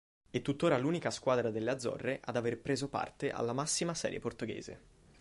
È tuttora l'unica squadra delle Azzorre ad aver preso parte alla massima serie portoghese.